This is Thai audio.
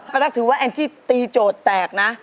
ปะตั๊กถือว่าแอนจิตีโจทย์แตกนะ